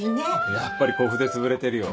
やっぱり小筆つぶれてるよ。